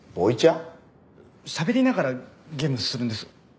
しゃべりながらゲームするんです。